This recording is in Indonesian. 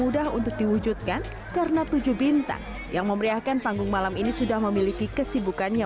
mudah untuk diwujudkan karena tujuh bintang yang memeriahkan panggung malam ini sudah memiliki kesibukannya